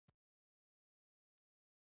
محاکات د هنري پنځونې یوه مهمه برخه ده